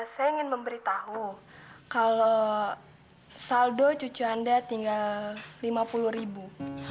saya ingin memberitahu kalau saldo cucu anda tinggal lima puluh ribu